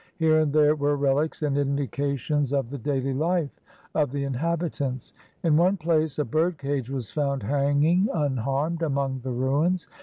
Here and there were relics and indications of the daily life of the inhabitants. In one place a bird cage was found hanging unharmed among the ruins.